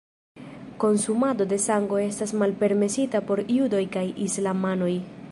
Konsumado de sango estas malpermesita por judoj kaj islamanoj.